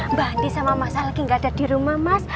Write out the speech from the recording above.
mbak andi sama mas alki gak ada di rumah mas